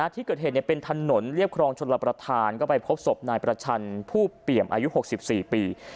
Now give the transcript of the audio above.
ที่เกิดเหตุเป็นถนนเรียบครองชนรับประทานก็ไปพบศพนายประชันผู้เปี่ยมอายุ๖๔ปี